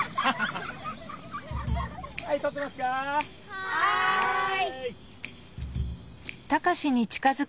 はい！